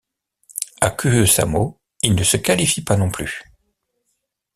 À Kuusamo il ne se qualifie pas non plus.